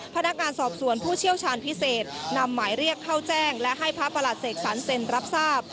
พนักงานสอบสวนผู้เชี่ยวชาญพิเศษนำหมายเรียกเข้าแจ้งและให้พระประหลัดเสกสรรเซ็นรับทราบ